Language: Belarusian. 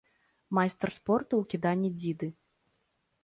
Майстар спорту ў кіданні дзіды.